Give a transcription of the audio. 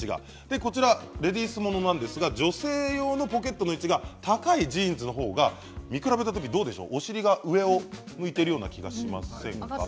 レディースもの女性用のポケットの位置が高いジーンズのほうが見比べたときにどうでしょうかお尻が上を向いているような気がしませんか。